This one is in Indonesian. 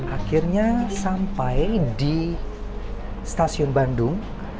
akhirnya sampai di stasiun bandung